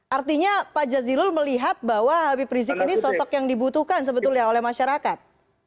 artinya pak jazilul melihat bahwa habib rizik ini sosok yang dibutuhkan sebetulnya oleh masyarakat